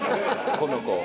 この子を。